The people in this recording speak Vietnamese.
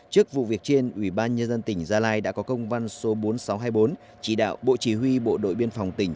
trước vụ việc trên ủy ban nhân dân tỉnh gia lai đã có công văn số bốn nghìn sáu trăm hai mươi bốn chỉ đạo bộ chỉ huy bộ đội biên phòng tỉnh